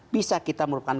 bisa kita merupakan